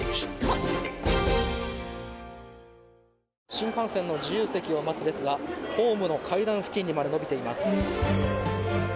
新幹線の自由席を待つ列がホームの階段付近にまで延びています。